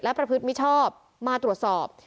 และประพฤติมิชอบมาตรวจสอบ